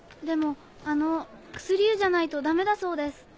でもあの薬湯じゃないとダメだそうです。